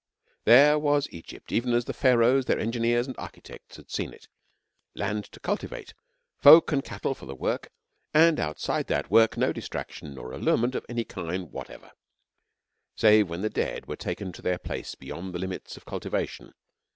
There was Egypt even as the Pharaohs, their engineers and architects, had seen it land to cultivate, folk and cattle for the work, and outside that work no distraction nor allurement of any kind whatever, save when the dead were taken to their place beyond the limits of cultivation.